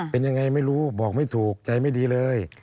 เป็นยังไงไม่รู้บอกไม่ถูกใจไม่ดีเลย